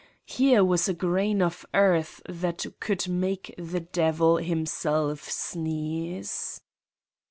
Here was a grain of earth that could make the devil himself sneeze!